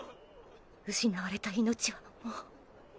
失われた命はもう。